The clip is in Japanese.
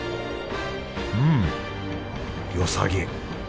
うんよさげ。